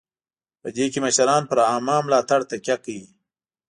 په دې کې مشران پر عامه ملاتړ تکیه کوي.